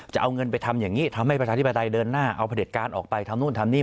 จะเอาเงินไปทำอย่างนี้ทำให้ประชาธิปไตยเดินหน้าเอาผลิตการออกไปทำนู่นทำนี่